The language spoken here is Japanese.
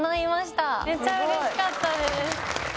めちゃうれしかったです。